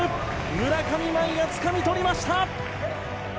村上茉愛がつかみ取りました。